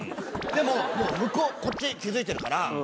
でも、もうこっち、気付いてるから。